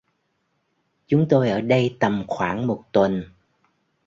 Chúng tôi ở đây tầm khoảng một tuần